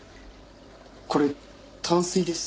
これ淡水です。